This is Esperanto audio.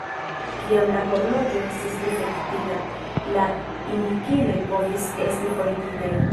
Kiam la horloĝo estis difektita, la indikiloj povis esti forigitaj.